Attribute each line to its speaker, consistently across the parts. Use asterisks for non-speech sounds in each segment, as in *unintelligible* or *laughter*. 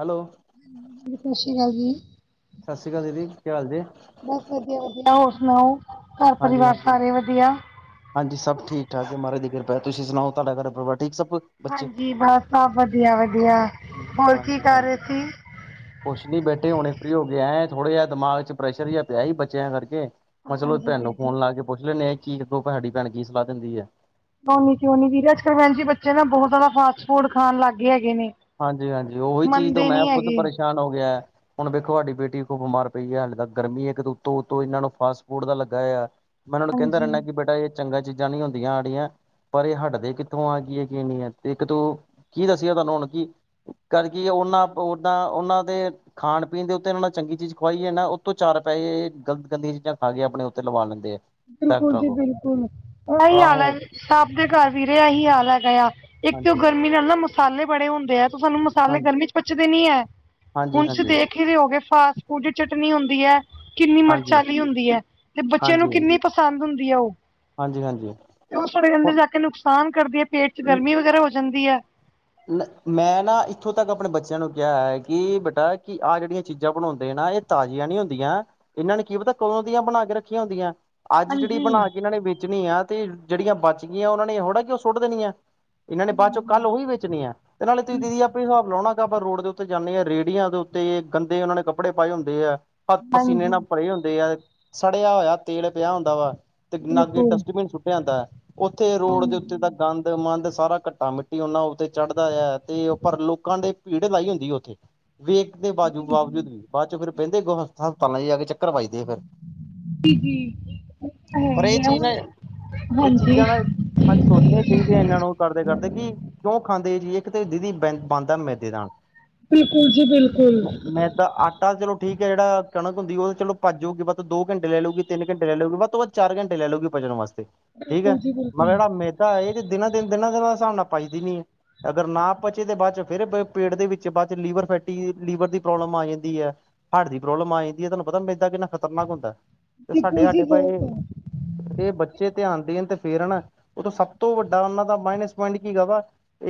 Speaker 1: Hello.
Speaker 2: ਸਾਸ਼੍ਰੀ ਕਾਲ ਵੀਰ।
Speaker 1: ਸਾਸ਼੍ਰੀ ਕਾਲ ਦੀਦੀ, ਕੀ ਹਾਲ ਜੇ?
Speaker 2: ਬਾੱਸ ਵਦੀਆ, ਵਦੀਆ। ਹੋਰ ਸੁਨਾਓ ਘਾੱਰ
Speaker 1: ਹਾਂਜੀ
Speaker 2: ਪਰਿਵਾਰ
Speaker 1: ਹਾਂਜੀ
Speaker 2: ਸਾਰੇ ਵਦੀਆ?
Speaker 1: ਹਾਂਜੀ ਸਾੱਭ ਠੀਕ ਠਾਕ ਐ, ਮਹਾਰਾਜ ਦੀ ਕਿਰਪਾ। ਤੁਸੀ ਸੁਨਾਓ ਤੁਆਡਾ ਘਰ ਪਰਿਵਾਰ ਠੀਕ ਸਭ? ਬੱਚੇ
Speaker 2: ਹਾਂਜੀ, *unintelligible* ਸਾੱਭ ਵਦੀਆ, ਵਦੀਆ ਹੋਰ ਕੀ ਕਰ ਰੇ ਸੀ।
Speaker 1: ਕੋਛ ਨੀ ਬੈਠੇ ਹੁਣੇ ਫਰੀ ਹੋਕੇ ਆਏ ਆਂ, ਥੋੜਾ ਜੇਆ ਦਮਾਗ ਚ ਪ੍ਰੈਸ਼ਰ ਜੇਆ ਪੇਆ ਸੀ ਬੱਚੇਆਂ ਕਾਰਕੇ। ਮੈਂ ਚਲੋ
Speaker 2: ਹਾਂਜੀ
Speaker 1: ਭੈਨ
Speaker 2: ਵੀਰ
Speaker 1: ਨੂੰ
Speaker 2: ਜੀ
Speaker 1: ਫੋਨ ਲਾ ਕੇ ਪੋਛ ਲੈਂਨੇ ਆ, ਕਿ *unintelligible* ਸਾਡੀ ਭੈਣ ਕੀ ਸਲਾ ਦੇਂਦੀ ਐ।
Speaker 2: ਓਨੀ ਕਯੋਂ ਨੀ ਵੀਰੇ, ਅੱਜ-ਕੱਲ ਐਂਜ ਈ ਬੱਚੇ ਨਾ ਬੋਹਤ ਜੈਦਾ ਫਾਸਟ ਫੂਡ ਖਾਨ ਲਾੱਗ ਗੇ ਹੈਗੇ ਨੇ।
Speaker 1: ਹਾਂਜੀ, ਹਾਂਜੀ ਓਹੋਈ ਚੀਜ਼ ਤੋ
Speaker 2: ਮੰਨਦੇ
Speaker 1: ਮੈਂ
Speaker 2: ਨੀ
Speaker 1: ਖ਼ੁਦ
Speaker 2: ਹੈਗੇ
Speaker 1: ਪਰੇਸ਼ਾਨ ਹੋਗੇ ਐਂ। ਹੁਣ ਵੇਖੋ ਹਾਡੀ ਬੇਟੀ ਕੁ ਬਿਮਾਰ ਪਈ ਐ, ਹਾਲੇ ਤੱਕ ਗਰਮੀ ਏਕ ਤੇ ਉਤੋਂ, ਉਤੋਂ ਏਨਾਂ ਨੂੰ ਫਾਸਟ ਫੂਡ ਦਾ ਲੱਗਾ ਯਾ। ਮੈਂ ਓਨਾ ਨੂੰ ਕੈਂਦਾ
Speaker 2: ਹਾਂਜੀ
Speaker 1: ਰੈਂਨਾ ਕਿ ਬੇਟਾ ਏਹ ਚੰਗਾ ਚੀਜ਼ਾਂ ਨੀ ਹੁੰਦੀਆਂ ਆੜੀਆ ਪਰ ਏ ਹਟਦੇ ਕਿੱਥੋਂ ਆ‌ ਕੀ ਏ ਕਿ ਨੀ ਐ, ਤੇ ਏਕ ਦੋ ਕੀ ਦੱਸਿਆ ਤੁਆਨੂੰ ਹੁਨ ਕਿ ਕਰਗੀ ਓਨਾਂ ਓਦਾਂ ਓਨਾਂ ਦੇ ਖਾਣ ਪੀਣ ਦੇ ਉਤੇ ਐਨਾਂ ਨੂੰ ਚੰਗੀ ਚੀਜ਼ ਖੁਵਾਈਏ ਨਾ, ਉਤੋ ਚਾਰ ਪੈਹੇ ਗਲਤ ਗੰਦੀਆਂ ਚੀਜ਼ਾਂ ਖਾ ਕੇ ਆਪਣੇ ਉਤੇ ਲਵਾ ਲੈਂਦੇ ਆ।
Speaker 2: ਬਿਲਕੁਲ
Speaker 1: ਡਾਕਟਰਾਂ
Speaker 2: ਜੀ
Speaker 1: ਕੋਲ
Speaker 2: ਬਿਲਕੁਲ, ਐਈ ਹਾਲ
Speaker 1: ਆਹੋ
Speaker 2: ਐ। ਸਾੱਭ ਦੇ ਘਾੱਰ ਵੀਰੇ ਐਹੀ ਹਾਲ ਹੈਗਾ ਆ। ਏਕ ਤੇ ਓ
Speaker 1: ਹਾਂਜੀ-ਹਾਂਜੀ,
Speaker 2: ਗਰਮੀ ਨਾਲ ਨਾ ਮਸਾਲੇ ਬੜੇ ਹੁੰਦੇ ਆ, ਤੇ ਸਾਨੂੰ ਮ ਮਸਾਲੇ ਗਰਮੀ ਚ ਪਚਦੇ ਨੀ ਐ। ਹੁਨ ਤੁਸੀ
Speaker 1: ਹਾਂਜੀ-ਹਾਂਜੀ,
Speaker 2: ਦੇਖ ਈ ਰੇ ਹੋਗੇ ਫਾਸਟ ਫੂਡ ਦੀ ਚਟਨੀ ਹੁੰਦੀ ਐ। ਕਿੰਨੀ ਮਿਰਚਾਂ
Speaker 1: ਹਾਂਜੀ-ਹਾਂਜੀ,
Speaker 2: ਆਲੀ ਹੁੰਦੀ ਹੈ, ਤੇ ਬੱਚਿਆਂ ਨੂੰ ਕਿੰਨੀ ਪਸੰਦ ਹੁੰਦੀ ਹੈ ਉਹ। ਤੇ ਉਹ ਸਾਡੇ ਅੰਦਰ ਜਾ
Speaker 1: ਹਾਂਜੀ-ਹਾਂਜੀ।
Speaker 2: ਕੇ ਨੁਕਸਾਨ ਕਰਦੀ ਹੈ, ਪੇਟ ਚ ਗਰਮੀ ਵਗੈਰਾ ਹੋ ਜਾਂਦੀ ਹੈ।
Speaker 1: ਮੈਂ ਨਾ ਇੱਥੋਂ ਤੱਕ, ਆਪਣੇ ਬੱਚਿਆਂ ਨੂੰ ਕਿਹਾ ਹੈ ਕਿ, ਬੇਟਾ ਕਿ ਆਹ ਜਿਹੜੀਆਂ ਚੀਜ਼ਾਂ ਬਣਾਉਂਦੇ ਨਾ ਇਹ ਤਾਜ਼ੀਆਂ ਨੀ, ਹੁੰਦੀਆਂ, ਇਹਨਾਂ ਨੇ ਕੀ ਪਤਾ ਕਦੋਂ ਦੀਆਂ ਬਣਾ ਕੇ ਰੱਖੀਆਂ ਹੁੰਦੀਆਂ। ਅੱਜ ਜਿਹੜੀ
Speaker 2: ਹਾਂਜੀ
Speaker 1: ਬਣਾ ਕੇ ਇਹਨਾਂ ਨੇ ਵੇਚਣੀ ਆ, ਤੇ ਜਿਹੜੀਆਂ ਬਚ ਗਈਆਂ, ਉਹਨਾਂ ਨੇ ਇਹ ਥੋੜਾ ਕਿ ਉਹ ਸੁੱਟ ਦੇਣੀਆਂ। ਇਹਨਾਂ ਨੇ, ਬਾਅਦ ਚੋਂ ਕੱਲ ਉਹੀ ਵੇਚਣੀਆ, ਤੇ ਨਾਲੇ ਤੁਸੀਂ ਦੀਦੀ ਆਪੇ ਈ ਹਿਸਾਬ ਲਾਉ ਨਾ ਜਿੱਦਾਂ ਆਪਾਂ ਰੋਡ ਦੇ ਉੱਤੇ ਜਾਂਦੇ ਹਾਂ, ਰੇਹੜੀਆਂ ਦੇ ਉੱਤੇ ਗੰਦੇ ਉਹਨਾਂ ਨੇ ਕੱਪੜੇ ਪਾਏ ਹੁੰਦੇ ਆ। ਪਸੀਨੇ ਨਾਲ
Speaker 2: ਹਾਂਜੀ
Speaker 1: ਭਰੇ ਹੁੰਦੇ ਆ, ਸੜਿਆ ਹੋਇਆ ਤੇਲ ਪਿਆ ਹੁੰਦਾ ਵਾ। ਤੇ ਲਾਗੇ
Speaker 2: ਬਿਲਕੁਲ
Speaker 1: ਡਸਟਬਿਨ ਸੁੱਟਿਆ ਹੁੰਦਾ ਹੈ, ਉੱਥੇ ਰੋਡ ਦੇ
Speaker 2: ਹਾਂਜੀ
Speaker 1: ਉੱਤੇ ਤਾਂ ਗੰਦ ਮੰਦ ਸਾਰਾ ਘੱਟਾ, ਮਿੱਟੀ ਉਹਨਾਂ ਉਤੇ ਚੜ੍ਹਦਾ ਆ, ਤੇ ਪਰ ਲੋਕਾਂ ਦੇ ਭੀੜ ਲਾਈ ਹੁੰਦੀ ਹੈ ਉੱਥੇ ਵੇਖ ਦੇ ਬਾਜ ਬਾਵਜੂਦ ਵੀ, ਬਾਅਦ ਚੋਂ ਫਿਰ ਬਹਿੰਦੇ ਹਸਪਤਾਲਾਂ ਚ ਜਾ ਕੇ ਚੱਕਰ ਵਜਦੇ ਆ ਫਿਰ।
Speaker 2: ਹੈ
Speaker 1: ਪਰ ਇਹ
Speaker 2: ਹੀ ਹੈ
Speaker 1: ਚੀਜ਼
Speaker 2: ਹੁਣ
Speaker 1: ਨੇ, ਇਹ
Speaker 2: ਹਾਂਜੀ
Speaker 1: ਚੀਜ਼ਾਂ ਨਾਲ ਅਸੀ ਸੋਚ ਦੇ ਆ, ਖਿੱਝਦੇ ਆ, ਇਹਨਾਂ ਨੂੰ ਕਰਦੇ, ਕਰਦੇ ਕੀ ਖਾਂਦੇ ਜੀ ਇੱਕ ਤੇ ਦੀਦੀ, ਬ ਬਣਦਾ ਮੈਦੇ ਨਾਲ
Speaker 2: ਬਿਲਕੁਲ ਜੀ, ਬਿਲਕੁਲ
Speaker 1: ਮ ਮੈਦਾ, ਅ- ਆਟਾ ਚਲੋ ਠੀਕ ਹੈ, ਜਿਹੜਾ ਕਣਕ ਹੁੰਦੀ, ਉਹ ਤਾਂ ਚਲੋ ਪਚ ਜਾਊਗੀ, ਵੱਧ ਤੋਂ ਦੋ ਘੰਟੇ ਲੈ ਲਊਗੀ, ਤਿੰਨ ਘੰਟੇ ਲੈ ਲਊਗੀ ਵੱਧ ਤੋਂ ਵੱਧ ਚਾਰ ਘੰਟੇ ਲੈ ਲਊਗੀ, ਪਚਨ ਵਾਸਤੇ, ਠੀਕ ਹੈ,
Speaker 2: ਬਿਲਕੁਲ ਜੀ ਬਿਲਕੁਲ
Speaker 1: ਮਗਰ ਆ ਮੈ ਦਾ, ਇਹ ਤੇ ਦਿਨਾਂ- ਦਿਨ, ਦਿਨਾਂ- ਦਿਨ, ਹਿਸਾਬ ਨਾਲ ਪਚਦੀ ਨਹੀ ਏ। ਅਗਰ ਨਾ ਪਚੇ ਤਾਂ, ਬਾਅਦ ਚ ਫਿਰ ਪੇਟ ਦੇ ਵਿੱਚ ਬਾਅਦ ਚ ਲੀਵਰ ਫੈਟੀ, ਲੀਵਰ ਦੀ ਪ੍ਰੋਬਲਮ ਆ ਜਾਂਦੀ ਆ। ਹਾਰਟ ਦੀ ਪ੍ਰੋਬਲਮ ਆ ਜਾਂਦੀ ਹੈ, ਤੁਹਾਨੂੰ ਪਤਾ ਮੈਦਾ ਕਿੰਨਾ ਖਤਰਨਾਕ ਹੁੰਦਾ, ਤੇ
Speaker 2: ਬਿਲਕੁਲ ਜੀ
Speaker 1: ਸਾਡੇ-ਸਾਡੇ ਭਾਈ
Speaker 2: ਬਹੁਤ ਹੈ
Speaker 1: ਇਹ ਬੱਚੇ ਧਿਆਨ ਦੇਣ ਤੇ ਫੇਰ ਆ ਨਾ, ਉਹ ਤੋਂ ਸਭ ਤੋਂ ਵੱਡਾ, ਉਹਨਾਂ ਦਾ ਮਾਈਨਸ ਪੁਆਇੰਟ ਕੀ ਹੈਗਾ ਵਾ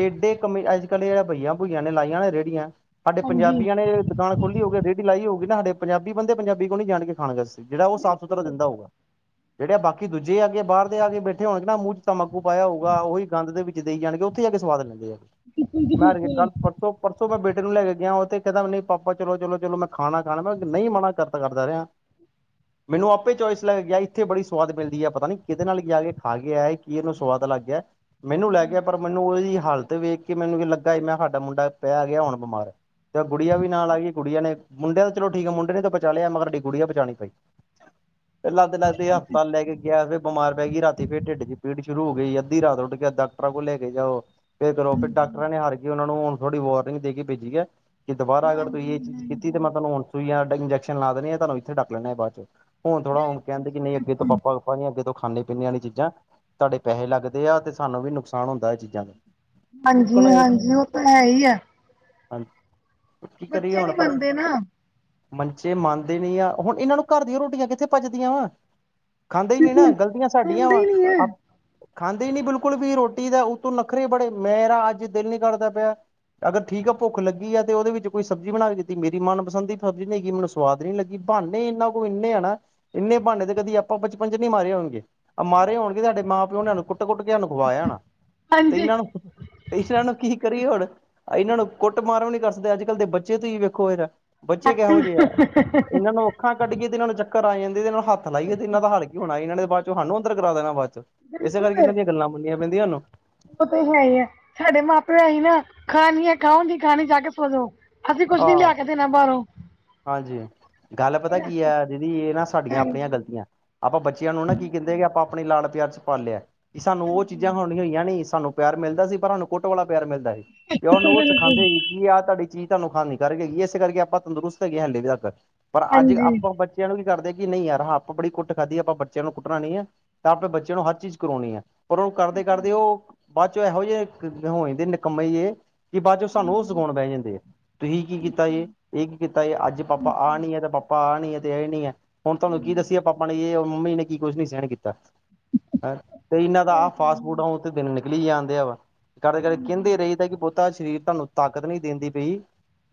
Speaker 1: ਏਡੇ ਕਮੇ, ਅੱਜ ਕੱਲ੍ਹ ਇਹ ਬਈਆ- ਬੁਈਆਂ ਨੇ ਲਾਈਆਂ ਨਾ ਰੇਹੜੀਆਂ, ਸਾਡੇ
Speaker 2: ਹਾਂਜੀ
Speaker 1: ਪੰਜਾਬੀਆਂ ਨੇ ਦੁਕਾਨ ਖੋਲੀ ਹੋਊਗੀ ਰੇਹੜੀ ਲਾਈ ਹੋਊਗੀ ਨਾ, ਸਾਡੇ ਪੰਜਾਬੀ ਬੰਦੇ, ਪੰਜਾਬੀ ਕੋਲ ਨੀ ਜਾਣਗੇ ਖਾਣ ਵਾ ਜਿਹੜਾ, ਉਹ ਸਾਫ਼ ਸੁਥਰਾ
Speaker 2: ਬਿਲਕੁਲ
Speaker 1: ਦਿੰਦਾ ਹੋਊਗਾ। ਜਿਹੜੇ ਆ, ਬਾਕੀ ਦੂਜੇ ਆ ਕੇ ਬਾਹਰ ਦੇ ਆ ਕੇ ਬੈਠੇ ਹੋਣਗੇ ਨਾ, ਮੂੰਹ ਚ ਤਮਾਕੂ ਪਾਇਆ ਹੋਊਗਾ, ਉਹੀ ਗੰਦ ਦੇ ਵਿੱਚ ਦੇਈ ਜਾਣਗੇ, ਉੱਥੇ ਜਾ ਕੇ ਸਵਾਦ ਲੈਂਦੇ ਆ,
Speaker 2: ਬਿਲਕੁਲ ਜੀ
Speaker 1: ਮੈਂ ਅਜੇ
Speaker 2: ਬਿਲਕੁਲ
Speaker 1: ਕੱਲ ਪਰਸੋਂ ਪਰਸੋਂ ਮੈਂ ਬੇਟੇ ਨੂੰ ਲੈ ਕੇ ਗਿਆ, ਉਥੇ ਕਹਿੰਦਾ ਵੀ ਨਹੀਂ ਪਾਪਾ ਚਲੋ-ਚਲੋ, ਚਲੋ ਮੈਂ ਖਾਣਾ, ਖਾਣਾ, ਮੈਂ ਨਹੀਂ ਮਨਾ ਕਰਤਾ ਕਰਦਾ ਰਿਹਾ। *unintelligible* ਮੈਨੂੰ ਆਪੇ ਚੋਇਸ ਲੇ ਕੇ ਗਿਆ, ਇੱਥੇ ਬੜੀ ਸੁਆਦ ਮਿਲਦੀ ਆ, ਪਤਾ ਨੀ ਕਿਹਦੇ ਨਾਲ ਜਾ ਕੇ ਖਾ ਕੇ ਆਇਆ, ਕੀ ਇਹਨੂੰ ਸਵਾਦ ਲੱਗ ਗਿਆ। ਮੈਨੂੰ ਲੈ ਗਿਆ ਪਰ, ਮੈਨੂੰ ਉਹਦੀ ਹਾਲਤ ਵੇਖ ਕੇ ਮੈਨੂੰ ਵੀ ਲੱਗਾ, ਮੈਂ ਸਾਡਾ ਮੁੰਡਾ ਪੈ ਗਿਆ ਹੁਣ ਬਿਮਾਰ ਤੇ ਆ ਗੁੜੀਆ ਵੀ ਨਾਲ ਆ ਗਈ, ਗੁੜੀਆਂ ਨੇ, ਮੁੰਡੇ ਦਾ ਤਾਂ ਚਲੋ ਠੀਕ ਹੈ, ਮੁੰਡੇ ਨੇ ਤਾਂ ਪਚਾ ਲਿਆ, ਮਗਰ ਸਾਡੀ ਗੁੜੀਆ ਪਚਾ ਨੀ ਪਾਈ। ਫਿਰ ਲੱਗਦੇ-ਲੱਗਦੇ ਹਸਪਤਾਲ ਲੈ ਕੇ ਗਿਆ, ਫਿਰ ਬਿਮਾਰ ਪੈ ਗਈ ਰਾਤੀ ਫੇਰ ਢਿੱਡ ਜ ਪੀੜ ਸ਼ੁਰੂ ਹੋ ਗਈ, ਅੱਧੀ ਰਾਤ ਉੱਠ ਕੇ ਡਾਕਟਰਾਂ ਕੋਲ ਲੈ ਕੇ ਜਾਉ। ਫਿਰ ਕਰੋ, ਫਿਰ ਡਾਕਟਰਾਂ ਨੇ ਹਾਰ ਕੇ ਉਹਨਾਂ ਨੂੰ ਹੁਣ ਥੋੜੀ ਵਾਰਨਿੰਗ ਦੇ ਕੇ ਭੇਜੀ ਹੈ। ਕਿ ਦੁਬਾਰਾ ਅਗਰ ਤੁਸੀਂ ਇਹ
Speaker 2: ਹਾਂਜੀ
Speaker 1: ਚੀਜ਼ ਕੀਤੀ, ਤੇ ਮੈਂ ਤੁਹਾਨੂੰ ਹੁਣ ਸੂਈਆਂ, ਇੰਜੈਕਸ਼ਨ ਲਾ ਦੇਣੇ ਆ, ਤੁਹਾਨੂੰ ਇੱਥੇ ਡਕ ਲੈਣਾ ਏ ਬਾਅਦ ਚੋਂ। ਹੁਣ ਥੋੜਾ, ਹੁਣ ਕਹਿੰਦੇ, ਨਹੀਂ ਅੱਗੇ ਤੋਂ ਪਾਪਾ ਅੱਗੇ ਤੋਂ ਖਾਣੇ ਪੀਣੇ ਇਹ ਵਾਲੀਆ ਚੀਜ਼ਾਂ, ਤੁਹਾਡੇ ਪੈਸੇ ਲੱਗਦੇ ਆ, ਤੇ ਸਾਨੂੰ ਵੀ ਨੁਕਸਾਨ ਹੁੰਦਾ ਹੈ ਚੀਜ਼ਾਂ ਤੋਂ।
Speaker 2: ਹਾਂਜੀ-ਹਾਂਜੀ, ਉਹ ਤਾਂ ਹੈ ਹੀ ਆ।
Speaker 1: ਹਾਂਜੀ, ਕੀ ਕਰੀਏ
Speaker 2: ਨੀ
Speaker 1: ਹੁਣ ਪਰ
Speaker 2: ਮੰਨਦੇ ਨਾ
Speaker 1: ਮੰਚੇ ਮੰਨਦੇ ਨੀ ਆ, ਹੁਣ ਇਹਨਾਂ ਨੂੰ ਘਰ ਦੀਆਂ ਰੋਟੀਆਂ ਕਿੱਥੇ ਪਚਦੀਆ। ਖਾਂਦੇ ਹੀ ਨੀ ਨਾ,
Speaker 2: ਬਿਲਕੁਲ
Speaker 1: ਗ਼ਲਤੀਆਂ ਸਾਡੀਆਂ
Speaker 2: ਖਾਂਦੇ ਹੀ
Speaker 1: ਵਾ
Speaker 2: ਨੀ ਹੈ
Speaker 1: ਖਾਂਦੇ ਨੀ ਬਿਲਕੁਲ ਵੀ, ਰੋਟੀ ਦਾ ਉਤੋਂ ਨਖਰੇ ਬੜੇ ਮੇਰਾ ਅੱਜ ਦਿਲ ਨੀ ਕਰਦਾ ਪਿਆ। ਅਗਰ ਠੀਕ ਆ ਭੁੱਖ ਲੱਗੀ ਹੈ, ਤੇ ਉਹਦੇ ਵਿੱਚ ਕੋਈ ਸਬਜ਼ੀ ਬਣਾ ਕੇ ਦਿੱਤੀ, ਮੇਰੀ ਮਨਪਸੰਦ ਦੀ ਸਬਜ਼ੀ ਨਹੀਂ ਗੀ, ਮੈਨੂੰ ਸਵਾਦ ਨੀ ਲੱਗੀ, ਬਹਾਨੇ ਇਨਾ ਕੋ ਇੰਨੇ ਹੈ ਨਾ। ਇੰਨੇ ਬਹਾਨੇ ਤੇ ਕਦੀ ਆਪਾਂ ਬਚਪਨ ਚ ਨਹੀਂ ਮਾਰੇ ਹੋਣਗੇ, ਮਾਰੇ ਹੋਣਗੇ ਸਾਡੇ ਮਾਂ ਪਿਓ ਨੇ ਸਾਨੂੰ ਕੁੱ ਕੁੱਟ- ਕੁੱਟ ਕੇ ਸਾਨੂੰ ਖਵਾਇਆ ਹੋਣਾ ਤੇ ਇਹਨਾਂ ਨੂੰ ਇਹਨਾਂ ਨੂੰ ਕੀ ਕਰੀਏ ਹੁਣ ਇਹਨਾਂ ਨੂੰ ਕੁੱਟ- ਮਾਰ ਵੀ ਨੀ ਕਰ ਸਕਦੇ, ਅੱਜ ਕੱਲ੍ਹ ਦੇ ਬੱਚੇ ਤੁਸੀਂ ਵੇਖੋ ਜਰਾ ਬੱਚੇ ਕਿਹੋ ਜਿਹੇ ਹੈ, ਇਹਨਾਂ ਨੂੰ ਅੱਖਾਂ ਕੱਢੀਏ, ਤੇ ਇਹਨਾਂ ਨੂੰ ਚੱਕਰ ਆ ਜਾਂਦੇ, ਤੇ ਜੇ ਇਹਨਾਂ ਨੂੰ ਹੱਥ ਲਾਈਏ ਤੇ ਇਹਨਾਂ ਦਾ ਹਾਲ ਕੀ ਹੋਣਾ ਇਹਨਾਂ ਨੇ ਤੇ ਬਾਦ ਚੋਂ ਸਾਨੂੰ ਅੰਦਰ ਕਰਾ ਦੇਣਾ ਬਾਦ ਚੋਂ ਇਸੇ
Speaker 2: ਬਿਲਕੁਲ
Speaker 1: ਕਰਕੇ, ਇਹਨਾਂ ਦੀਆਂ ਗੱਲਾਂ ਮੰਨਣੀਆਂ ਪੈਂਦੀਆਂ ਸਾਨੂੰ।
Speaker 2: ਉਹ ਤਾਂ ਹੈ ਹੀ ਹੈ, ਸਾਡੇ ਮਾਂ ਪਿਓ ਸੀ ਨਾ, ਖਾਣੀ ਹੈ ਖਾਉ, ਨੀ ਖਾਣੀ ਜਾ ਕੇ ਸੌ ਜੋ। ਅਸੀਂ ਕੁੱਛ ਨੀ,
Speaker 1: ਆਹ
Speaker 2: ਲਿਆ ਕੇ ਦੇਣਾ ਬਾਹਰੋਂ।
Speaker 1: ਹਾਂਜੀ, ਗੱਲ ਪਤਾ ਕੀ ਹੈ, ਦੀਦੀ ਇਹ ਨਾ ਸਾਡੀਆਂ ਆਪਣੀਆਂ
Speaker 2: ਹਾਂਜੀ
Speaker 1: ਗ਼ਲਤੀਆਂ ਆਪਾਂ ਬੱਚਿਆਂ ਨੂੰ ਨਾ, ਕੀ ਕਹਿੰਦੇ ਹੈ, ਆਪਾਂ ਆਪਣੇ ਲਾਡ ਪਿਆਰ ਚ ਪਾਲਿਆ, ਕਿ ਸਾਨੂੰ ਉਹ ਚੀਜ਼ਾਂ *unintelligible* ਹੋਈਆਂ ਨੀ ਸਾਨੂੰ ਪਿਆਰ ਮਿਲਦਾ ਸੀ, ਪਰ ਸਾਨੂੰ ਕੁੱਟ ਵਾਲਾ ਪਿਆਰ ਮਿਲਦਾ ਸੀ ਤੇ ਉਹ ਸਾਨੂੰ ਉਹ ਸਿਖਾਂਦੇ ਸੀ, ਕਿ ਆਹ ਤੁਹਾਡੀ ਚੀਜ਼ ਤੁਹਾਨੂੰ ਖਾਣ ਨੀ ਕਰਕੇ ਗੀ ਇਸੇ ਕਰਕੇ ਆਪਾਂ ਤੰਦਰੁਸਤ ਹੈਗੇ ਹਾਲੇ ਵੀ ਤੱਕ। ਪਰ
Speaker 2: ਹਾਂਜੀ ਬਿਲਕੁਲ
Speaker 1: ਅੱਜ
Speaker 2: ਹਾਂਜੀ
Speaker 1: ਆਪਾਂ ਬੱਚਿਆਂ ਨੂੰ ਕੀ ਕਰਦੇ, ਕਿ ਨਹੀਂ ਯਾਰ ਆਪਾਂ ਬੜੀ ਕੁੱਟ ਖਾਧੀ ਆ, ਆਪਾਂ ਬੱਚਿਆਂ ਨੂੰ ਕੁੱਟਣਾ ਨਹੀਂ ਹੈ। ਤਾਂ ਆਪਾਂ ਬੱਚਿਆਂ ਨੂੰ ਹਰ ਚੀਜ਼ ਕਰਵਾਉਣੀ ਹੈ, ਪਰ ਉਹਨੂੰ ਕਰਦੇ- ਕਰਦੇ ਉਹ ਬਾਅਦ ਚ ਇਹੋ ਜਿਹੇ ਹੋ ਜਾਂਦੇ ਨਿਕੰਮੇ ਜੇ ਕਿ ਬਾਅਦ ਚੋਂ ਸਾਨੂੰ ਉਹ ਸਿਖਾਉਣ ਬਹਿ ਜਾਂਦੇ ਹੈ। ਤੁਸੀਂ ਕੀ ਕੀਤਾ ਜੇ, ਇਹ ਕੀ ਕੀਤਾ ਅੱਜ ਪਾਪਾ ਆ ਨੀ ਹੈ ਤੇ ਪਾਪਾ ਆ ਨੀ ਹੈ, ਤੇ ਇਹ ਨੀ ਹੈ। ਹੁਣ ਤੁਹਾਨੂੰ ਕੀ ਦੱਸੀਏ, ਪਾਪਾ ਨੇ ਔਰ ਮੰਮੀ ਨੇ ਕੀ ਕੁਛ ਨੀ ਸਹਿਣ ਕੀਤਾ। ਤੇ ਇਹਨਾਂ ਦਾ, ਆਹ ਫਾਸਟ ਫੂਡ ਆ ਦਿਨ ਨਿਕਲੀ ਜਾਂਦੇ ਆ ਵਾ, ਕਰਦੇ- ਕਰਦੇ ਕਹਿੰਦੇ ਰਹੀ ਦਾ ਕਿ ਪੁੱਤਾ ਆ ਸਰੀਰ ਤੁਹਾਨੂੰ ਤਾਕਤ ਨਹੀਂ ਦਿੰਦੀ ਪੀ।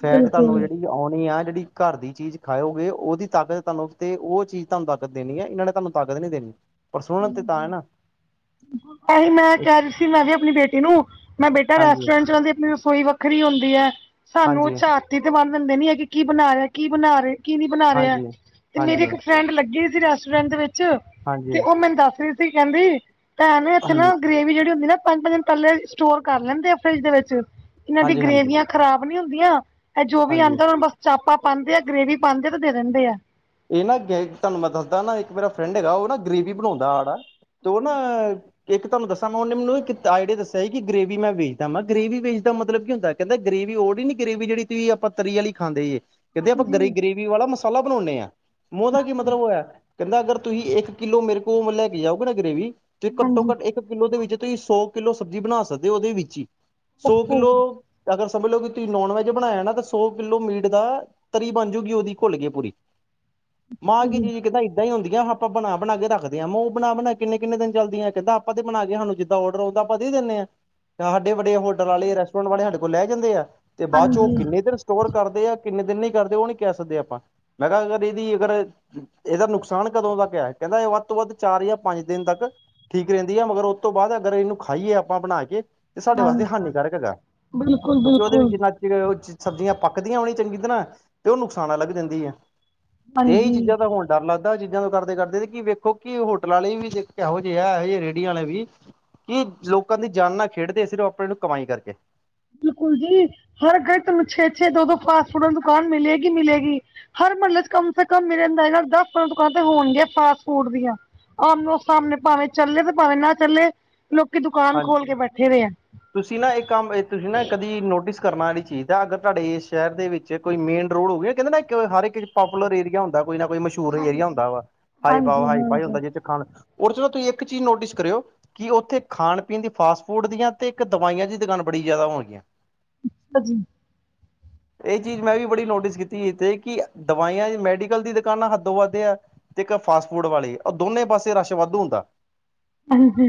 Speaker 1: ਫੈਟ ਤੁਹਾਨੂੰ
Speaker 2: ਬਿਲਕੁਲ
Speaker 1: ਜਿਹੜੀ ਆਉਣੀ ਆ, ਜਿਹੜੀ ਘਰ ਦੀ ਚੀਜ਼ ਖਾਓਗੇ, ਉਹਦੀ ਤਾਕਤ ਤੁਹਾਨੂੰ ਤੇ, ਉਹ ਚੀਜ਼ ਤੁਹਾਨੂੰ ਤਾਕਤ ਦੇਣੀ ਹੈ। ਇਹਨਾਂ ਨੇ ਤੁਹਾਨੂੰ ਤਾਕਤ ਨੀ ਦੇਣੀ, ਪਰ ਸੁਣਨ ਤੇ ਤਾਂ ਹੈ ਨਾ।
Speaker 2: ਆਹੀ ਮੈਂ ਕਹਿ ਰਹੀ ਸੀ, ਮੈਂ ਵੀ ਆਪਣੀ ਬੇਟੀ ਨੂੰ, ਮੈਂ ਬੇਟਾ
Speaker 1: ਹਾਂਜੀ
Speaker 2: ਰੈਸਟੋਰੈਂਟ ਚਲਾਂਦੀ ਆਪਣੀ ਰਸੋਈ ਵੱਖਰੀ ਹੁੰਦੀ ਹੈ, ਸਾਨੂੰ ਉਹ
Speaker 1: ਹਾਂਜੀ
Speaker 2: ਝਾਤੀ ਤੇ ਮਾਰਨ ਦਿੰਦੇ ਨੀ ਹੈਗੇ, ਕੀ ਬਣਾ ਰਿਹਾ, ਕੀ ਬਣਾ ਰਹੇ ਕੀ ਨੀ ਬਣਾ ਰਿਹਾ,
Speaker 1: ਹਾਂਜੀ
Speaker 2: ਤੇ ਮੇਰੀ
Speaker 1: ਹਾਂਜੀ ਹਾਂਜੀ
Speaker 2: ਇੱਕ ਫਰੈਂਡ ਲੱਗੀ ਸੀ ਰੈਸਟੋਰੈਂਟ ਦੇ ਵਿੱਚ ਤੇ
Speaker 1: ਹਾਂਜੀ
Speaker 2: ਉਹ ਮੈਨੂੰ ਦੱਸ ਰਹੀ ਸੀ, ਕਹਿੰਦੀ ਭੈਣ ਇੱਥੇ ਨਾ
Speaker 1: ਹਾਂਜੀ
Speaker 2: ਗਰੇਵੀ ਜਿਹੜੀ ਹੁੰਦੀ ਨਾ, ਪੰਜ -ਪੰਜ ਦਿ ਪਹਿਲੇਸਟੋਰ ਕਰ ਲੈਂਦੇ ਆ ਫਰਿੱਜ ਦੇ ਵਿੱਚ ਇਹਨਾਂ ਦੀ
Speaker 1: ਹਾਂਜੀ
Speaker 2: ਗਰੇਵੀਆਂ ਖਰਾਬ ਨੀ ਹੁੰਦੀਆਂ। ਇਹ ਜੋ ਵੀ
Speaker 1: ਹਾਂਜੀ
Speaker 2: ਆਉਂਦਾ, ਹੁਣ ਬਸ ਚਾਪਾਂ ਪਾਉਂਦੇ ਆ, ਗ੍ਰੇਵੀ ਪਾਉਂਦੇ ਤੇ ਦੇ ਦਿੰਦੇ ਆ।
Speaker 1: ਇਹ ਨਾ ਤੁਹਾਨੂੰ ਮੈਂ ਦੱਸਦਾ ਨਾ, ਇੱਕ ਮੇਰਾ ਫਰੈਂਡ ਹੈਗਾ ਉਹ ਨਾ ਗ੍ਰੇਵੀ ਬਣਾਉਂਦਾ ਆੜਾ ਤੇ ਉਹ ਨਾ ਇੱਕ ਤੁਹਾਨੂੰ ਦੱਸਾਂ ਮੈਂ, ਉਹਨੇ ਮੈਨੂੰ ਇੱਕ ਆਈਡੀਆ ਦੱਸਿਆ ਸੀ, ਕਿ ਗ੍ਰੇਵੀ ਮੈਂ ਵੇਚਦਾ ਵਾਂ, ਮੈਂ ਕਿਹਾ ਗ੍ਰੇਵ ਵੇਚ ਦਾ ਮਤਲਬ ਕੀ ਹੁੰਦਾ? ਕਹਿੰਦਾ ਗਰੇਵੀ ਉਹ ਲੀ ਨੀ, ਗਰੇਵੀ ਜਿਹੜੀ ਤੁਸੀਂ ਆਪਾਂ ਤਰੀ ਵਾਲੀ ਖਾਂਦੇ ਜੇ ਕਹਿੰਦੇ ਆਪਾਂ
Speaker 2: ਹਾਂਜੀ
Speaker 1: ਗਰੇਵੀ ਵਾਲਾ ਮਸਾਲਾ ਬਣਾਉਂਦੇ ਹਾਂ, ਮੈਂ ਕਿਹਾ ਉਹਦਾ ਕੀ ਮਤਲਬ ਹੋਇਆ? ਕਹਿੰਦਾ, ਅਗਰ ਤੁਸੀਂ ਇੱਕ ਕਿੱਲੋ ਮੇਰੇ ਕੋਲ ਲੈ ਕੇ ਜਾਓਗੇ ਨਾ ਗਰੇਵੀ ਤੇ ਘੱਟੋ
Speaker 2: ਹਾਂਜੀ
Speaker 1: ਘੱਟ ਇੱਕ ਇੱਕ ਕਿੱਲੋ ਦੇ ਵਿੱਚ, ਤੁਸੀਂ ਸੌ ਕਿੱਲੋ ਸਬਜ਼ੀ ਬਣਾ ਸਕਦੇ ਹੋ, ਉਹਦੇ ਵਿੱਚ ਹੀ ਸੌ
Speaker 2: ਓਕੇ
Speaker 1: ਕਿਲੋ ਅਗਰ ਸਮਝ ਲਉ ਕਿ, ਤੁਸੀਂ ਨੋਨ ਵੈਜ ਬਣਾਇਆ ਨਾ ਤਾਂ ਸੌ ਕਿਲੋ ਮੀਟ ਦਾ ਤਰੀ ਬਣ ਜੂਗੀ, ਉਹਦੀ ਘੁੱਲ ਕੇ ਪੂਰੀ।
Speaker 2: ਹਾਂਜੀ
Speaker 1: *unintelligible* ਹੀ ਹੁੰਦੀਆਂ, ਆਪਾਂ ਬਣਾ -ਬਣਾ ਕੇ ਰੱਖਦੇ ਹਾਂ, ਮੈਂ ਕਿਹਾ, ਉਹ ਬਣਾ ਕਿੰਨੇ -ਕਿੰਨੇ ਦਿਨ ਚੱਲਦੀ ਆ, ਕਹਿੰਦਾ ਆਪਾਂ ਤੇ ਬਣਾ ਕੇ ਸਾਨੂੰ ਜਿਹਦਾ ਔਡਰ ਆਉਂਦਾ, ਆਪਾਂ ਦੇ ਦਿੰਨੇ ਆ ਜਾਂ ਵੱਡੇ -ਵੱਡੇ ਹੋਟਲ ਵਾਲੇ ਰੈਸਟੋਰੈਂਟ ਵਾਲੇ ਸਾਡੇ ਕੋਲ ਲੈ ਜਾਂਦੇ ਆ। ਤੇ ਬਾਅਦ ਚ, ਉਹ
Speaker 2: ਹਾਂਜੀ
Speaker 1: ਕਿੰਨੇ ਦਿਨ ਸਟੋਰ ਕਰਦੇ ਆ, ਕਿੰਨੇ ਦਿਨ ਨਹੀਂ ਕਰਦੇ, ਉਹ ਨੀ ਕਹਿ ਸਕਦੇ ਆਪਾਂ, ਮੈਂ ਕਿਹਾ ਅਗਰ ਇਹਦੀ ਅਗਰ, ਇਹਦਾ ਨੁਕਸਾਨ ਕਦੋਂ ਤੱਕ ਹੈ, ਕਹਿੰਦਾ ਇਹ ਵੱਧ ਤੋਂ ਵੱਧ ਚਾਰ ਜਾਂ ਪੰਜ ਦਿਨ ਤੱਕ ਠੀਕ ਰਹਿੰਦੀ ਹੈ, ਮਗਰ ਉਸ ਤੋਂ ਬਾਅਦ ਅਗਰ ਇਹਨੂੰ ਖਾਈਏ ਆਪਾਂ ਬਣਾ ਕੇ ਤੇ ਸਾਡੇ ਵਾਸਤੇ,
Speaker 2: ਹਾਂਜੀ
Speaker 1: ਹਾਨੀਕਾਰਕ ਹੈਗਾ,
Speaker 2: ਬਿਲਕੁਲ
Speaker 1: ਕਿਉਂਕਿ ਉਹਦੇ ਵਿੱਚ
Speaker 2: ਬਿਲਕੁਲ
Speaker 1: ਕਿੰਨਾ ਉਸ ਚ ਸਬਜ਼ੀਆਂ ਪੱਕੀਆਂ, ਉਨੀਂ ਚੰਗੀ ਤਰ੍ਹਾਂ ਤੇ ਉਹ ਨੁਕਸਾਨ ਅਲੱਗ ਦਿੰਦੀ ਹੈ। ਤੇ, ਇਹੀ
Speaker 2: ਹਾਂਜੀ
Speaker 1: ਚੀਜ਼ਾਂ ਤਾਂ ਹੁਣ ਡਰ ਲੱਗਦਾ ਚੀਜ਼ਾਂ ਤੋਂ ਕਰਦੇ -ਕਰਦੇ ਕਿ, ਵੇਖੋ ਕਿ ਹੋਟਲ ਵਾਲੇ ਵੀ, ਦੇਖੋ ਕਿਹੋ ਜਿਹੇ ਆ, ਇਹੋ ਜਿਹੇ ਰੇਹੜੀਆਂ ਵਾਲੇ ਵੀ। ਕੀ, ਲੋਕਾਂ ਦੀ ਜਾਨ ਨਾਲ ਖੇਡਦੇ, ਸਿਰਫ ਆਪਣੇ ਨੂੰ ਕਮਾਈ ਕਰਕੇ।
Speaker 2: ਬਿਲਕੁਲ ਜੀ, ਹਰ ਗਲੀ ਤੁਹਾਨੂੰ ਛੇ -ਛੇ, ਦੋ- ਦੋ ਫਾਸਟ ਫੂਡ ਵਾਲੀ ਦੁਕਾਨ ਮਿਲੇਗੀ ਹੀ ਮਿਲੇਗੀ। ਹਰ ਮੁਹੱਲੇ ਚ, ਕਮ ਸੇ ਕਮ ਮੇਰੇ ਅੰਦਾਜ਼ੇ ਨਾਲ ਦਸ ਪੰਦਰਾਂ ਦੁਕਾਨ ਤੇ ਹੋਣਗੀਆਂ, ਫਾਸਟ ਫੂਡ ਦੀਆਂ। ਆਹਮੋ-ਸਾਹਮਣੇ, ਭਾਵੇਂ ਚੱਲੇ ਤੇ, ਭਾਵੇਂ ਨਾ ਚੱਲੇ ਲੋਕੀ ਦੁਕਾਨ
Speaker 1: ਹਾਂਜੀ
Speaker 2: ਖੋਲ ਕੇ ਬੈਠੇ ਦੇ ਆ।
Speaker 1: ਤੁਸੀਂ ਨਾ, ਇਹ ਕੰਮ ਤੁਸੀਂ ਨਾ ਕਦੀ ਨੋਟਿਸ ਕਰਨਾ ਵਾਲੀ ਚੀਜ਼ ਐ, ਅਗਰ ਤੁਹਾਡੇ ਇਸ ਸ਼ਹਿਰ ਦੇ ਵਿੱਚ ਕੋਈ ਮੇਨ ਰੋਡ ਹੋਵੇ, ਕਹਿੰਦੇ ਨਾ ਇੱਕ ਹਰ ਇੱਕ ਪਾਪੂਲਰ ਏਰੀਆ ਹੁੰਦਾ, ਕੋਈ ਨਾ ਕੋਈ ਮਸ਼ਹੂਰ ਏਰੀਆ
Speaker 2: ਹਾਂਜੀ
Speaker 1: ਹੁੰਦਾ ਵਾ, ਹਾਈ ਪਾ
Speaker 2: ਹਾਂਜੀ
Speaker 1: ਹਾਈ ਫਾਈ
Speaker 2: ਹਾਂਜੀ
Speaker 1: ਹੁੰਦਾ ਜਿੱਥੇ ਖਾਣ, ਔਰ ਚਲੋ ਤੁਸੀਂ ਇੱਕ ਚੀਜ਼ ਨੋਟਿਸ ਕਰਿਓ ਕਿ ਉੱਥੇ ਖਾਣ- ਪੀਣ ਦੀ ਫਾਸਟ ਫੂਡ ਦੀਆਂ ਤੇ ਇੱਕ ਦਵਾਈਆਂ ਦੀ ਦੁਕਾਨ ਬੜੀ ਜਿਆਦਾ ਹੋਣ ਗਈਆਂ
Speaker 2: ਹਾਂਜੀ,
Speaker 1: *inaudible* ਇਹ ਚੀਜ਼ ਮੈਂ ਵੀ ਬੜੀ ਨੋਟਿਸ ਕੀਤੀ ਇਥੇ ਕਿ ਦਵਾਈਆਂ ਮੈਡੀਕਲ ਦੀ ਦੁਕਾਨਾਂ ਹੱਦੋ ਵੱਧ ਆ ਤੇ ਇੱਕ ਫਾਸਟ ਫੂਡ ਵਾਲੀ ਉਹ ਦੋਨੇ ਪਾਸੇ ਰਸ਼ ਵਾਧੂ ਹੁੰਦਾ।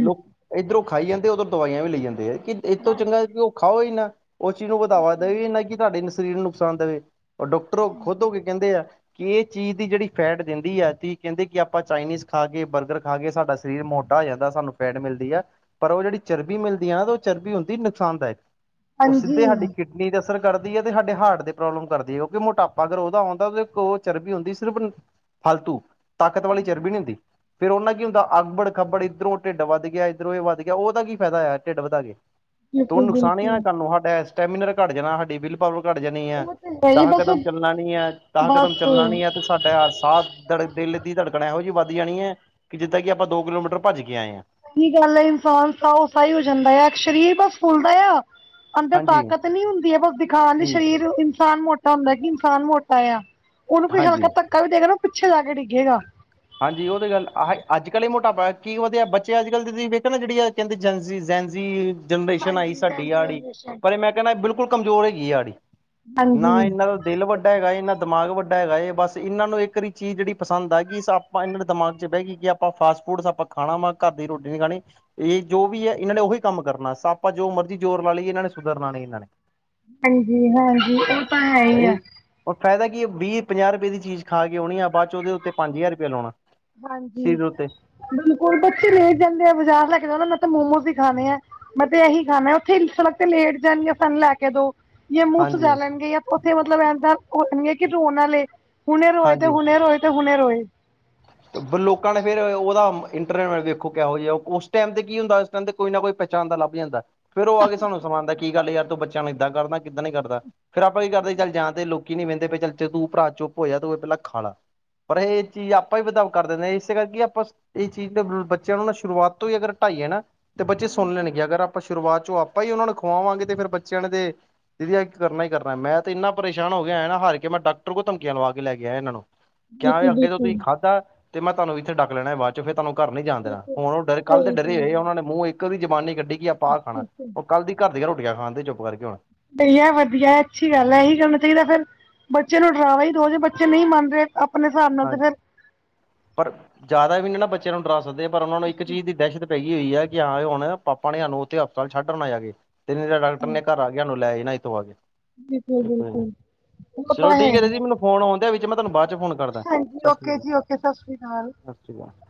Speaker 1: ਲੋਕ ਇੱਧਰੋਂ ਖਾਈ ਜਾਂਦੇ ਉੱਧਰੋਂ ਦਵਾਈਆਂ ਵੀ ਲਈ ਜਾਂਦੇ ਏ, ਕਿ ਇਥੋਂ ਚੰਗਾ ਕਿ ਉਹ ਖਾਓ ਹੀ ਨਾ। ਉਹ ਚੀਜ਼ ਨੂੰ ਵਧਾਵਾ ਦੇਵੇ ਨਾ ਕਿ ਤੁਹਾਡੇ ਸਰੀਰ ਨੂੰ ਨੁਕਸਾਨ ਦੇਵੇ, ਉਹ ਡਾਕਟਰ ਖੁਦ ਹੋ ਕੇ ਕਹਿੰਦੇ ਆ ਕਿ ਏ ਚੀਜ਼ ਦੀ ਜਿਹੜੀ ਫੈਟ ਦਿੰਦੀ ਆ ਕਹਿੰਦੇ ਕਿ ਆਪਾਂ ਚਾਈਨੀਜ਼ ਖਾ ਕੇ ਬਰਗਰ ਖਾ ਕੇ ਸਾਡਾ ਸਰੀਰ ਮੋਟਾ ਹੋ ਜਾਂਦਾ, ਸਾਨੂੰ ਫੈਟ ਮਿਲਦੀ ਆ, ਪਰ ਉਹ ਜਿਹੜੀ ਚਰਬੀ ਮਿਲਦੀ ਦੀ ਉਹ ਚਰਬੀ ਹੁੰਦੀ ਨੁਕਸਾਨਦਾਇਕ ਉਹ ਸਿੱਧੇ
Speaker 2: ਹਾਂਜੀ
Speaker 1: ਸਾਡੀ ਕਿਡ ਨੀ ਤੇ ਅਸਰ ਕਰਦੀ ਏ, ਤੇ ਸਾਡੇ ਹਾਰਟ ਦੇ ਪ੍ਰੋਬਲਮ ਕਰਦੀ ਏ, ਕਿਉਂਕਿ ਮੋਟਾਪਾ ਅਗਰ ਉਹਦਾ ਆਉਂਦਾ ਉਹ ਚਰਬੀ ਹੁੰਦੀ ਸਿਰਫ ਫਾਲਤੂ ਤਾਕਤ ਵਾਲੀ ਚਰਬੀ ਨਹੀਂ ਹੁੰਦੀ। ਫੇਰ ਉਹ ਨਾਲ ਕੀ ਹੁੰਦਾ ਅਗਬੜ ਖੱਬੜ ਇੱਧਰੋਂ ਢਿੱਡ ਵੱਧ ਗਿਆ ਇੱਧਰੋਂ ਇਹ ਵੱਧ ਗਿਆ ਉਹਦਾ ਕੀ ਫਾਇਦਾ ਹੋਇਆ ਢਿੱਡ ਵਧਾ ਕੇ। ਤੂੰ
Speaker 2: ਬਿਲਕੁਲ
Speaker 1: ਨੁਕਸਾਨ ਹੀ ਨਾ
Speaker 2: ਬਿਲਕੁਲ
Speaker 1: ਸਾਨੂੰ ਸਾਡਾ ਸਟੈਮੀਨਰ ਘੱਟ ਜਾਣਾ ਸਾਡੀ ਬਿਲਕੁ ਪਾਵਰ ਘੱਟ ਜਾਣੀ ਏ
Speaker 2: ਉਹ ਤੇ ਹੈ ਹੀ
Speaker 1: ਦਾਹ
Speaker 2: ਬਸ
Speaker 1: ਕਦਮ ਚੱਲਣਾ ਨੀ ਏ, ਦਾਹ ਕਦਮ ਚੱਲਣਾ
Speaker 2: ਬਸ
Speaker 1: ਨੀ ਏ ਤੇ ਸਾਡਾ ਸਾਹ ਦਿਲ ਦੀ ਧੜਕਣ ਇਹੋ ਜਿਹੀ ਵੱਧ ਜਾਣੀ ਏ ਕਿ ਜਿੱਦਾਂ ਕਿ ਆਪਾਂ ਦੋ ਕਿਲੋਮੀਟਰ ਭੱਜ ਕੇ ਆਏ ਆਂ।
Speaker 2: ਚੰਗੀ ਗੱਲ ਏ, ਇਨਸਾਨ ਸਾਔ ਸਾਈ ਹੋ ਜਾਂਦਾ ਆ ਸਰੀਰ ਬਸ ਫੁੱਲਦਾ ਆ। ਅੰਦਰ
Speaker 1: ਹਾਂਜੀ
Speaker 2: ਤਾਕਤ ਨੀ ਹੁੰਦੀ ਏ, ਬਸ ਦਿਖਾਣ ਲਈ ਸਰੀਰ ਇਨਸਾਨ ਮੋਟਾ ਹੁੰਦਾ ਕਿ ਇਨਸਾਨ ਮੋਟਾ ਆ। ਉਹਨੂੰ ਕੋਈ
Speaker 1: ਹਾਂਜੀ
Speaker 2: ਹਲਕਾ ਧੱਕਾ ਵੀ ਦੇਗਾ ਨਾ ਉਹ ਪਿੱਛੇ ਜਾ ਕੇ ਡਿੱਗੇਗਾ।
Speaker 1: ਹਾਂਜੀ, ਉਹ ਤਾਂ ਗੱਲ ਆਹ ਅਜ ਕੱਲ੍ਹ ਇਹ ਮੋਟਾਪਾ ਕੀ ਵਧੀਆ ਬੱਚੇ ਅੱਜ ਕੱਲ ਦੇ ਤੁਸੀਂ ਵੇਖਿਆ ਨਾ ਜਿਹੜੀ ਆ ਕਹਿੰਦੇ ਜੈਨਜੀ ਜੈਨਜੀ ਜਨਰੇਸ਼ਨ ਆਈ
Speaker 2: ਹਾਂਜੀ
Speaker 1: ਸਾਡੀ
Speaker 2: ਹਾਂਜੀ
Speaker 1: ਆੜੀ
Speaker 2: ਹਮੇਸ਼ਾ ਹੀ।
Speaker 1: ਪਰ ਇਹ ਮੈਂ ਕਹਿੰਦਾ ਬਿਲਕੁਲ ਕਮਜ਼ੋਰ ਹੈਗੀ ਸਾਡੀ ਨਾ
Speaker 2: ਹਾਂਜੀ
Speaker 1: ਇਹਨਾਂ ਦਾ ਦਿਲ ਵੱਡਾ ਹੈਗਾ ਇਹਨਾਂ ਦਿਮਾਗ ਵੱਡਾ ਹੈਗਾ ਏ ਬਸ ਇਹਨਾਂ ਨੂੰ ਇੱਕ ਵਾਰੀ ਚੀਜ਼ ਜਿਹੜੀ ਪਸੰਦ ਆਗੀ ਸ ਆਪਾਂ ਇਹਨਾਂ ਦੇ ਦਿਮਾਗ ਚ ਬਹਿ ਗਈ ਕਿ ਆਪਾਂ ਫਾਸਟ ਫੂਡ ਆਪਾਂ ਖਾਣਾ ਵਾ ਘਰ ਦੀ ਰੋਟੀ ਨੀ ਖਾਣੀ ਇਹ ਜੋ ਵੀ ਏ ਇਹਨਾਂ ਨੇ ਉਹੀ ਕੰਮ ਕਰਨਾ ਆਪਾਂ ਜੋ ਮਰਜ਼ੀ ਜ਼ੋਰ ਲਾ ਲਈਏ ਇਹਨਾਂ ਨੇ ਸੁਧਰਨਾ ਨੀ ਇਹਨਾਂ ਨੇ।
Speaker 2: ਹਾਂਜੀ ਹਾਂਜੀ ਇਹ ਤਾਂ ਹੈਈ ਆ।
Speaker 1: ਇਹੀ ਔਰ ਫਾਇਦਾ ਕੀ ਵੀਹ ਪੰਜਾਹ ਰੁਪਏ ਦੀ ਚੀਜ਼ ਖਾ ਕੇ ਆ ਬਾਅਦ ਚ ਉਹਦੇ ਉੱਤੇ ਪੰਜ ਹਜ਼ਾਰ ਰੁਪਆ ਲਾਉਣਾ।
Speaker 2: ਹਾਂਜੀ,
Speaker 1: ਸਰੀਰ ਉੱਤੇ
Speaker 2: ਬਿਲਕੁਲ ਬੱਚੇ ਲੇ ਜਾਂਦੇ ਆ ਬਜ਼ਾਰ ਲੈ ਕੇ ਜਾਣਾ ਨਾ ਮੈਂ ਤਾਂ ਮੋਮੋਸ ਹੀ ਖਾਣੇ ਆ। ਮੈਂ ਤੇ ਇਹੀ ਖਾਣਾ ਉੱਥੇ ਹੀ ਸੜਕ ਤੇ ਲੇਟ ਜਾਣਗੇ ਸਾਨੂੰ ਲੈ ਕੇ ਦੋ। ਜੇ ਮੂੰਹ
Speaker 1: ਹਾਂਜੀ
Speaker 2: ਸੁਜਾ ਲੈਣਗੇ, ਜਾਂ ਉੱਥੇ ਮਤਲਬ ਏਦਾਂ ਹੋ ਜਾਣਗੇ ਕਿ ਰੋਣ ਵਾਲੇ। ਹੁਣੇ ਰੋਏ ਤੇ
Speaker 1: ਹਾਂਜੀ
Speaker 2: ਹੁਣੇ ਰੋਏ ਤੇ ਹੁਣੇ ਰੋਹੇ
Speaker 1: ਲੋਕਾਂ ਨੇ ਫੇਰ ਉਹਦਾ ਇੰਟਰਨੈਟ ਵੇਖੋ ਕਿਹੋ ਜਿਹਾ ਉਸ ਟਾਈਮ 'ਤੇ ਕੀ ਹੁੰਦਾ ਕੋਈ ਨਾ ਕੋਈ ਪਹਿਚਾਣ ਦਾ ਲੱਭ ਜਾਂਦਾ ਏ। ਫੇਰ ਉਹ ਆ ਕੇ ਸਾਨੂੰ ਸੁਨਾਦਾ ਕੀ ਗੱਲ ਯਾਰ ਤੂੰ ਬੱਚਿਆਂ ਨੂੰ ਇੱਦਾਂ ਕਰਦਾ ਕਿੱਦਾਂ ਨੀ ਕਰਦਾ, ਫਿਰ ਆਪਾਂ ਕੀ ਕਰਦੇ ਚੱਲ ਜਾਂ ਤੇ ਲੋਕ ਨੀ ਵਹਿੰਦੇ ਚੱਲ ਤੂੰ ਭਰਾ ਚੁੱਪ ਹੋਜਾ ਤੂੰ ਇਹ ਪਹਿਲਾਂ ਖਾਲਾ ਪਰ ਇਹ ਚੀਜ਼ ਆਪ ਆਪਾਂ ਹੀ ਵਧਾਓ ਕਰ ਦੇਨੇ ਹਾਂ, ਇਸ ਕਰਕੇ ਆਪਾਂ ਇਹ ਚੀਜ਼ ਬੱਚਿਆਂ ਨੂੰ ਸ਼ੁਰੂਆਤ ਤੋਂ ਹੀ ਅਗਰ ਹਟਾਈਏ ਨਾ ਤੇ ਬੱਚੇ ਸੁਣ ਲੈਣਗੇ ਅਗਰ ਆਪਾਂ ਸ਼ੁਰੂਆਤ ਚੋਂ ਆਪਾਂ ਹੀ ਉਹਨਾਂ ਨੂੰ ਖਵਾਵਾਂਗੇ ਤੇ ਫੇਰ ਬੱਚਿਆਂ ਨੇ ਤੇ ਦੀਦੀ ਕਰਨਾ ਹੀ ਕਰਨਾ ਮੈਂ ਤੇ ਇੰਨਾ ਪਰੇਸ਼ਾਨ ਹੋ ਗਿਆ ਹਾ ਨਾ ਹਾਰ ਕੇ ਮੈਂ ਡਾਕਟਰ ਕੋਲ ਧਮਕੀਆਂ ਲਵਾ ਕੇ ਲੈ ਆਇਆ ਇਹਨਾਂ ਨੂੰ। ਕਿਆ
Speaker 2: ਬਿਲਕੁਲ
Speaker 1: ਅੱਗੇ ਤੋਂ
Speaker 2: ਬਿਲਕੁਲ
Speaker 1: ਤੁਸੀਂ ਖਾਧਾ ਤੇ ਮੈਂ ਤੁਹਾਨੂੰ ਇੱਥੇ ਡੱਕ ਲੈਣਾ ਬਾਅਦ ਚ ਫਿਰ ਤੁਹਾਨੂੰ ਘਰ ਨੀ ਜਾਣ ਦੇਣਾ,
Speaker 2: ਬਿਲਕੁਲ
Speaker 1: ਹੁਣ ਓ ਕੱਲ ਦੇ
Speaker 2: ਸਹੀ ਕਹਿ
Speaker 1: ਡਰੇ
Speaker 2: ਰਹੇ
Speaker 1: ਹੋਏ
Speaker 2: ਹੋ
Speaker 1: ਉਹਨਾਂ ਨੇ ਮੂੰਹ ਇੱਕ ਦੀ ਜਬਾਨੀ ਕੱਢੀ ਕਿ ਆਪਾ ਬਾਹਰ ਖਾਣਾ।
Speaker 2: ਤੁਸੀਂ।
Speaker 1: ਕੱਲ ਦੀ ਘਰ ਦੀਆਂ ਰੋਟੀਆਂ ਖਾਣ ਡੇ ਨੇ ਚੁੱਪ ਕਰ ਕੇ ਹੁਣ।
Speaker 2: ਵਧਆ ਵਧੀਆ, ਅੱਛੀ ਗੱਲ ਹੈ, ਇਹੀ ਕਰਨਾ ਚਾਹੀਦਾ, ਫੇਰ ਬੱਚੇ ਨੂੰ ਡਰਾਵਾ ਹੀ ਦੋ ਜਿਹੇ ਬੱਚੇ ਨਹੀਂ ਮੰਨਦੇ, ਆਪਣੇ ਹਿਸਾਬ ਨਾਲ ਤੇ
Speaker 1: ਹਾਂਜੀ
Speaker 2: ਫੇਰ,
Speaker 1: ਪਰ ਜ਼ਿਆਦਾ ਵੀ ਨਹੀਂ ਨਾ ਬੱਚਿਆਂ ਨੂੰ ਡਰਾ ਸਕਦੇ ਪਰ, ਉਹਨਾਂ ਨੂੰ ਇੱਕ ਚੀਜ਼ ਦੀ ਦਹਿਸ਼ਤ ਪੈ ਗਈ ਹੋਈ ਹੈ, ਕਿ ਹਾਂ ਹੁਣ ਪਾਪਾ ਨੇ ਸਾਨੂੰ, ਉੱਥੇ ਹਸਪਤਾਲ ਛੱਡ ਆਣਾ ਜਾ ਕੇ। ਤੇ ਡਾਕਟਰ ਨੇ
Speaker 2: ਹਾਂਜੀ,
Speaker 1: ਘਰ ਆ ਕੇ ਸਾਨੂੰ ਲੈ ਹੀ ਜਾਣਾ, ਇੱਥੋਂ ਆ ਕੇ।
Speaker 2: ਬਿਲਕੁਲ ਬਿਲਕੁਲ ਉਹ ਤਾਂ
Speaker 1: ਚਲੋ
Speaker 2: ਹੈ
Speaker 1: ਠੀਕ ਐ, ਦੀਦੀ ਮੈਨੂੰ ਫੋਨ ਆਉਣ ਦਿਆ ਵਿੱਚ ਮੈਂ ਤੁਹਾਨੂੰ ਬਾਅਦ ਚ ਫੋਨ ਕਰਦਾ।
Speaker 2: ਹਾਂਜੀ,
Speaker 1: ਸਤਿ ਸ਼੍ਰੀ
Speaker 2: ਓਕੇ
Speaker 1: ਅਕਾਲ
Speaker 2: ਜੀ ਓਕੇ, ਸਤਿ ਸ੍ਰੀ ਅਕਾਲ।
Speaker 1: *unintelligible*